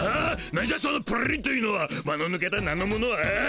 なんじゃそのプリンというのは間のぬけた名のものは。ああ？